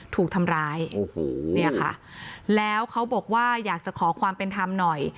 ถูกทำร้ายโอ้โหเนี่ยค่ะแล้วเขาบอกว่าอยากจะขอความเป็นธรรมหน่อย